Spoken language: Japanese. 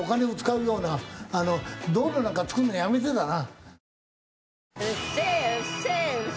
道路なんか造るのやめてだな。